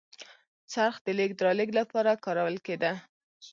څرخ د لېږد رالېږد لپاره کارول کېده.